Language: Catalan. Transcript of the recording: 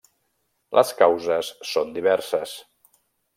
Les causes són diverses.